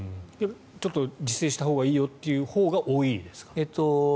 ちょっと自制したほうがいいよというほうが多いですか？